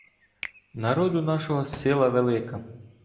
Народу нашого — сила велика.